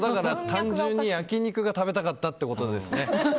単純に焼き肉が食べたかったってことですね。